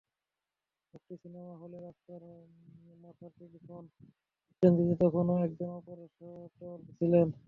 মুক্তি সিনেমা হলের রাস্তার মাথার টেলিফোন এক্সচেঞ্জটিতে তখনো একজন অপারেটর ছিলেন।